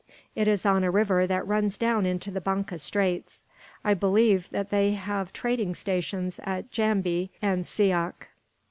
It is on a river that runs down into the Banca Straits. I believe that they have trading stations at Jambi and Siak."